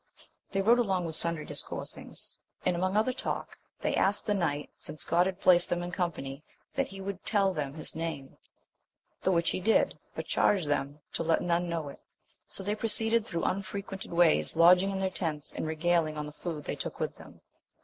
They rode along with sundry discoursings, and among other talk they asked the knight, since God had placed them in company, that he would tell them his name; the which he did, but charged them to let none know it. So they proceeded through unfre quented ways, lodging in their tents, and regaling on the food they took with them.